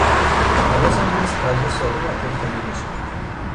حواسم هست غذا ساده و پختنی باشد